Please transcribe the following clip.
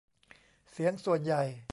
เสียงส่วนใหญ่